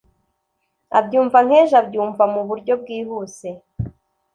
abyumva nk’ejo: abyumva mu buryo bwihuse